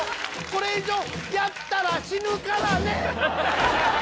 これ以上やったら死ぬからね！